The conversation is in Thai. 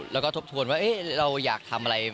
แล้วก็ทบทวนว่าเราอยากทำอะไร